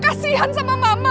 tanti jangan pergi sama mama